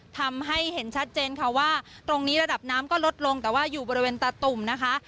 ทำให้เห็นชัดเจนค่ะว่าตรงนี้ระดับน้ำก็ลดลงแต่ว่าอยู่บริเวณตาตุ่มนะคะ